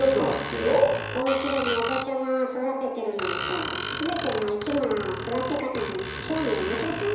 おうちでもお子ちゃま育ててるのにさ全ての生き物の育て方に興味を持ちなさい。